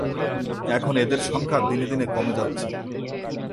এখন এদের সংখ্যা দিনে দিনে কমে যাচ্ছে।